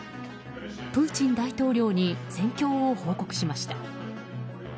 プーチン大統領に戦況を報告しました。